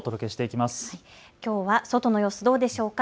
きょうは外の様子どうでしょうか。